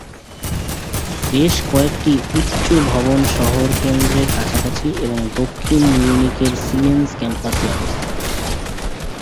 বেশ কয়েকটি উচ্চ ভবন শহর কেন্দ্রের কাছাকাছি এবং দক্ষিণ মিউনিখের সিমেন্স ক্যাম্পাসে অবস্থিত।